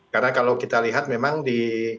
karena kalau kita lihat memang di